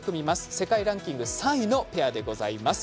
世界ランキング３位のペアでございます。